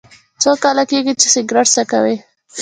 څو کاله کیږي چې سګرټ څکوئ؟